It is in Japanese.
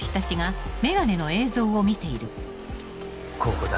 ここだ。